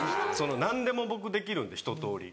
何でも僕できるんでひととおり。